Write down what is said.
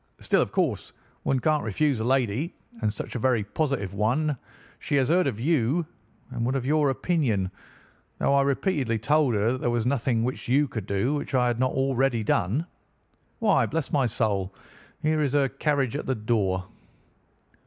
Still, of course, one can't refuse a lady, and such a very positive one, too. She has heard of you, and would have your opinion, though I repeatedly told her that there was nothing which you could do which I had not already done. Why, bless my soul! here is her carriage at the door."